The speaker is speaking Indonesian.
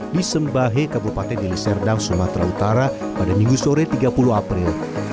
di sembahe kabupaten deli serdang sumatera utara pada minggu sore tiga puluh april